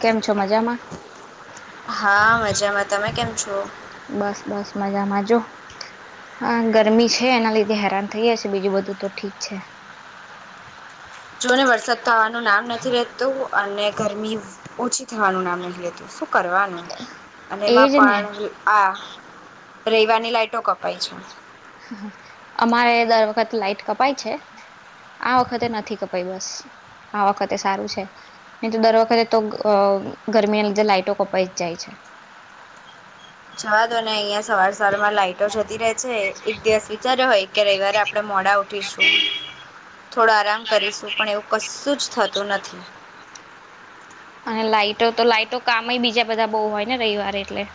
કેમ છો મજામાં? હા, મજામાં તમે કેમ છો? બસ બસ મજામાં જો હઅ ગરમી છે એના લીધે હેરાન થઈ છે બીજું બધું તો ઠીક છે. જો ને વરસાદ થવાનું નામ નથી લેતું અને ગરમી ઓછી થવાનું નામ નહી લેતું શું કરવાનું. અને એજ એમાં ને પણ આ રવિવાર ની લાઈટો કપાય છે. અમારે દર વખત લાઈટ કપાય છે. આ વખતે નથી કપાઈ બસ આ વખતે સારું છે. ને તો દર વખતે તો અ ગરમીના લીધે લાઈટો કપાઈ જ જાય છે. જવા દો ને અહિયાં સવાર સવાર માં લાઈટો જતી રે છે, એક દિવસ ઈ જ્યારે હોય કે, રવિવારે આપડે મોડા ઉ ઠીશું, થોડો આરામ કરીશું, પણ એવું કશુંજ થતું નથી. અને લાઈટો તો લાઈટો કામઈ બીજા બધા બહુ હોય ને રવિવારે એટલે.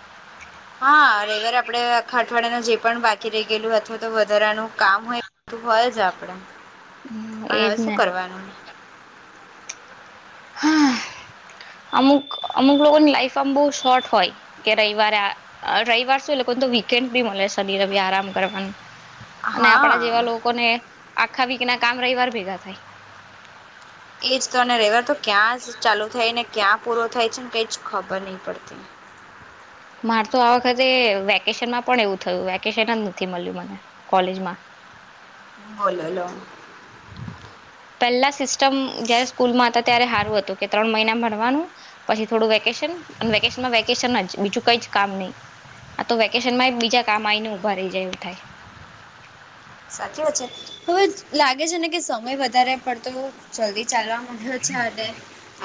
હા રવિવારે આપડે આખા અઠવાડિયાનું જે પણ બાકી રહી ગયેલું, અથવા તો વધારાનું કામ હોય તો હોયજ આપડે, હમ પણ એજ હવે ને શું કરવાનું. હા [inaudible] અમુક, અમુક લોકોની લાઈફ આમ બહુ શોર્ટ હોય. કે રવિવારે આ, રવિવાર શું એ લોકોને તો વીકેન્ડ બી મળે, શનિ રવિ આરામ કરવાનું. અને હા આપડા જેવા લોકોને, આખા વીક ના કામ રવિવારે ભેગા થાય. એજ તોને રવીવાર તો ક્યાં જ ચાલુ થાય, ને ક્યાં પૂરો થાય છે, ને કઈ જ ખબર નહિ પડતી. માર તો આ વખતે વેકેશન માં પણ એવું થયું, વેકેશન જ નથી મળ્યું મને કોલેજમાં. બોલો લો. પેલા સિસ્ટમ જયારે સ્કૂલમાં હતા ત્યારે હારું હતું, કે ત્રણ મહિના ભણવાનું, પછી થોડું વેકેશ શન, અને વેકેશનમાં વેકેશન જ બીજું કઈજ કામ નહી. આ તો વેકેશન માંયે બીજા કામ આઈને ઉભા રહી જાય એવું થાય. સાચી વાત છે, હવે લાગે છેને કે સમય વધારે પડતો જલ્દી ચાલવા માડયો છે, અને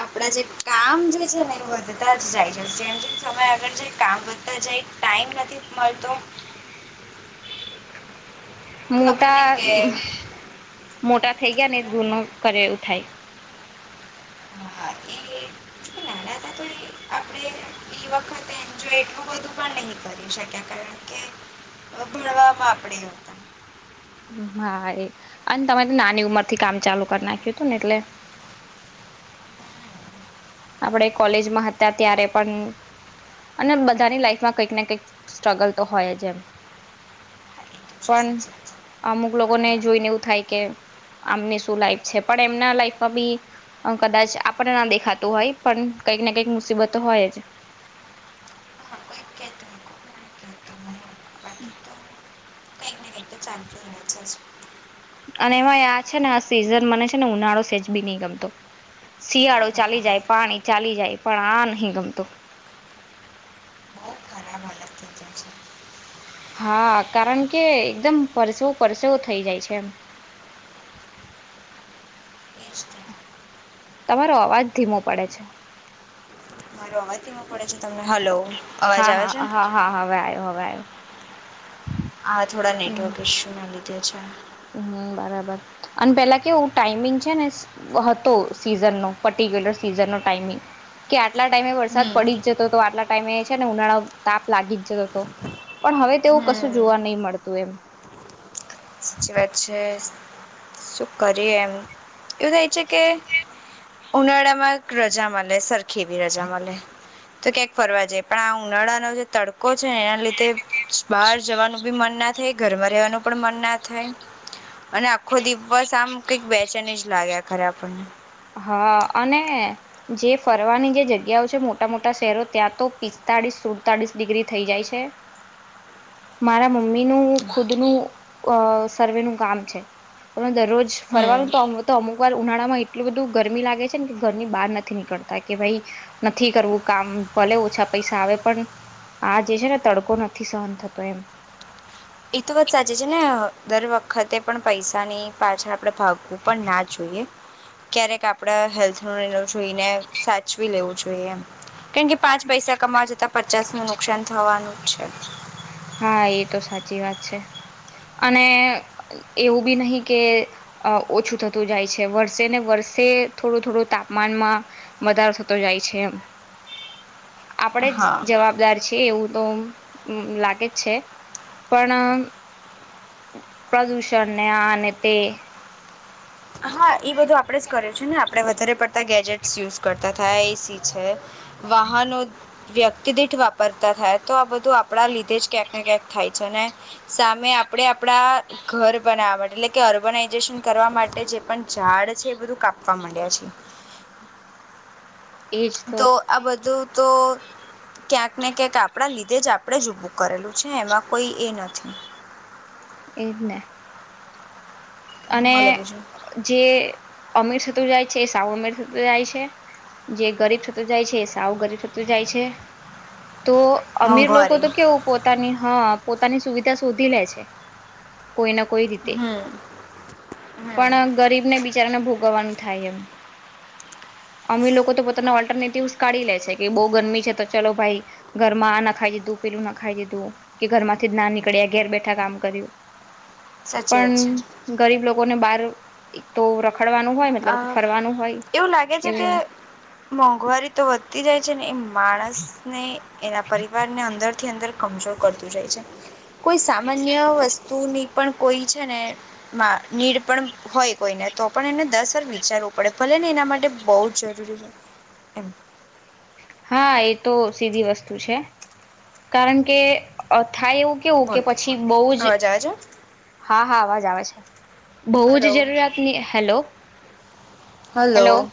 આપણા જે કામ જે છે ને, એ વધતા જ જાય છે, જેમ જેમ સમય આગળ જાય કામ વધતા જાય. ટાઈમ નથી મળતો. ખબર મોટા, નહીં કે મોટા થઈ ગયાને એજ ગુનો કર્યો એવું થાય. હા હા ઈએ કે નાના હતા તો એ આપણે ઈ વખતે એનજોય એટલું બધું પણ નહીં કરી શક્યા, કારણ કે, અ ભણવામાં આપડે એ હમ્મ, હા એ, અન તમે તો નાની ઉંમર થી કામ ચાલુ કરી નાખ્યું હતું, ને એટલે આપડે કોલેજમાં હતા ત્યારે પણ અને બધાની લાઈફમાં કંઈક ને કંઈક સ્ટ્રગલ તો હોયજ એમ. હા એ તો છે, પણ સાચી વાત છે. અમુક લોકો ને જોઈને એવું થાય કે આમની શું લાઈફ છે, પણ એમના લાઈફમાં બી કદાચ આપણે ના દેખાત તુ હોય, પણ કંઈક ને કંઈક મુસીબતો હોય જ. [unintelligible] હમ્મ. કઈ નેગેટિવ ચાલતુ રહે છે જ. અને એમાંય આ છેને આ સિઝન, મને છેને ઉનાળો સેજ બી નહિ ગમતો. અરે શિયાળો ચાલી જાય, બાપા પાણી ચાલી જાય, પણ આ નહિ ગમતો. બહું ખરાબ હાલત થઈ જાય છે. હા, કારણ કે એકદમ પરસેવો પરસેવો થઈ જાય છે એમ. એ જ તો તમારો અવાજ ધીમો પડે છે. મારો અવાજ ધીમો પડે છે તમને? હલો અવાજ હા આવે છે હા હા હા હવે આય, હવે આયો. આ થોડા નેટવર્ક ઇસ્યુ ના લીધે છે. હમ્મ બરાબર, અને પેલા કેવું ટાઈમિંગ છે ને હતો, સિઝનનો પટીર્ક્યુલર સિઝનનો ટાઈમિંગ. કે આટલા ટાઈમે વરસાદ હમ પડી જ જતો હતો, આટલા ટાઈમે છે ને ઉનાળો તાપ લાગી જ જતો હતો. પણ હવે તેવું કશું હમ જોવા નહી મળતું એમ. સાચી વાત છે, શું કરીએ એમ, એવું થાય છે કે ઉનાળા માં એક રજા મલે, સરખી એવી રજા મલે તો ક્યાંક ફરવા જાય પણ આ ઉનાળાનો જે તડકો કો છે એના લીધે બહાર જવાનું બી મન ના થાય ઘરમાં રહેવાનું પણ મન ના થાય અને આખો દિવસ આમ કઈક બેચણની જ લાગ્યા કરે આપણને હા અને જે ફરવાની જે જગ્યાઓ છે મોટા મોટા શહેરો ત્યાં તો પિસ્તાળીસ સુડતાળીસ ડિગ્રી થઈ જાય છે. મારા મમ્મી નું ખુદનું અ સર્વે નું કામ છે પણ દરરોજ હમ ફરવાનું તો તો અમુક વાર ઉનાળામા એટલું બધું ગરમી લાગે છે ને કે ગરમની બહાર નથી નીકળતા કે ભાઈ નથી કરવું કામ ભલે ઓછા પૈસા આવે પણ આ જે છે ને તડકો નથી સહન થતો એમ એ તો વાત સાચી છેને, દર વખતે પણ પૈસા ની પાછળ આપડે ભાગ પણ ના જોઈએ ક્યારેક કે આપણા હેલ્થનો લણ જોઈને સાચવી લેવું જોઈએ એમ કેણ કે પાંચ પૈસા કમા જતા પચાસ નું નુકસાન થવાનું છે. હા એ તો સાચી વાત છે, અને એવું બી નહ કે અ ઓછું થતું જાય છે, વર્ષે ને વર્ષે થોડુ થોડુ તાપમાનમાં વધારો થતો જાય છે, એમ આપડે જ હા જવાબદાર છે, એવું તો લાગ છે પણ પ્રદુષણને અને તે હા એ બધું આપડે જ કર્યું છેને, આપડણે વધારે પડતા ગેજેટ યુઝ કરતા થાય એસી છે વાહનો વ્યક્તિ દીઠ વાપ પરતા થાય તો આ બધું આપણા લીધે જ ક્યાંક ને ક્યાંક થાય છેને. સામે આપડે આપડા ઘર બનાવવા માટે એટલે કે ઓર્બનાઈઝેશન કરવા માટે જે પણ ઝાડ છે એ બધું કાપવા માંડ્યા છે. તો આ બધું તો ક્યાંક ને ક્યાંક આપણા લીધે જ આપણેે જ ઉભું કરેલું છે, એમાં કોઈ એ નથી. એ જને અને બોલો બીજું જે અમીર થતું જાય છે, એ સાવ અમીર થતું જાય છે. જે ગરીબ થતું જાય છે સાવું ગરીબ થતું જાય છે તો અમીર લોકો મોંઘવારી તો કેવું પોતાની હા પોતાની સુવિધા શોધી લે છે. કોઈ ના કોઈ રીતે હમ હમ પણ ગરીબ ને બિચારાને ભોગવવાનું થાય એમ અમે લોકો તો પોતાના ઓલ્ટરનેટિવસ કાઢી લે છે કે બહુ ગરમી છે, તો ચલો ભાઈ ઘર માં આ ના ખાઈ દીધું પેલું ના ખાઈ દીધું કે ઘરમાંથી જ ના નીકળ્યા ઘેર બેઠા કામ કર્યુ હ પણ ગરીબ લોકોને બહાર એક તો રખડવાનું હોય અ મતલબ ફરવાનું એવું લાગે હોય છે કે એવુ મોંઘવારી તો વધતી જાય છે ને એ માણસને એના પરિવારને અંદર થી જરતું જાય છે કોઈ સામાન્ય વસ્તુની પણ કોઈ છેને. નીડ પણ હોય કોઈને તો પણ એને દસ વિચારવું પડે ભલે ને એના માટે બહુ જરૂરી હોય. એમ હા એ તો સીધી વસ્તુ છે કારણ કે થાય એવુ કેવું કે બોલો પછી બહુ જ અવાજ આવે છે હા હા અવાજ આવે છે બહુ જ હલો જરૂરિયાત હેલો હેલો હલો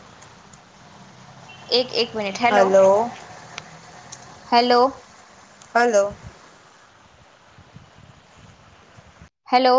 એક એક minute hello hello hello. Hello hello